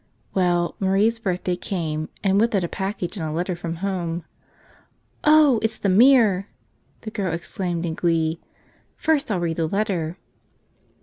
Well, Marie's birthday came and with it a package and a letter from home. "Oh, it's the mirror!" the girl exclaimed in glee. "First I'll read the letter."